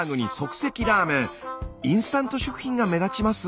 インスタント食品が目立ちます。